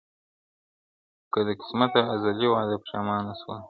که دي قسمته ازلي وعده پښېمانه سوله.